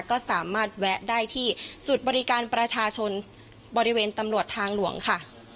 ก็สามารถแวะได้ที่จุดบริการประชาชนบริเวณตำรวจทางหลวงค่ะ